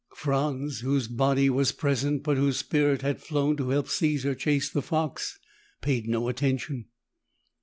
Franz, whose body was present but whose spirit had flown to help Caesar chase the fox, paid no attention.